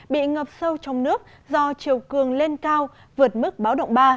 bị ngập sâu trong nước do chiều cường lên cao vượt mức báo động ba